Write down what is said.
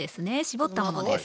絞ったものです。